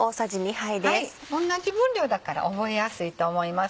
同じ分量だから覚えやすいと思います。